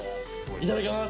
・いただきます。